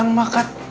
ini area makan